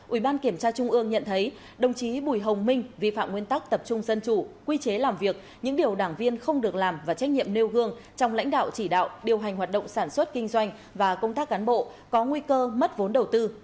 ủy ban kiểm tra trung ương nhận thấy đồng chí bùi hồng minh vi phạm nguyên tắc tập trung dân chủ quy chế làm việc những điều đảng viên không được làm và trách nhiệm nêu gương trong lãnh đạo chỉ đạo điều hành hoạt động sản xuất kinh doanh và công tác cán bộ có nguy cơ mất vốn đầu tư